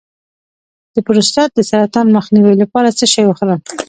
د پروستات د سرطان مخنیوي لپاره څه شی وخورم؟